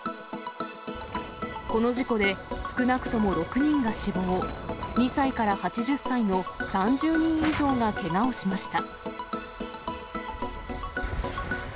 この事故で、少なくとも６人が死亡、２歳から８０歳の３０人以上がけがをしました。